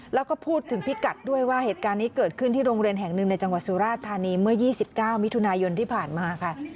แล้วก็พูดถึงพิกัดด้วยว่าเหตุการณ์นี้เกิดขึ้นที่โรงเรียนแห่งหนึ่งในจังหวัดสุราชธานีเมื่อ๒๙มิถุนายนที่ผ่านมาค่ะ